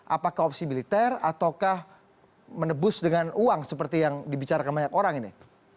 apakah opsi militer ataukah menebus dengan uang seperti yang dibicarakan banyak orang ini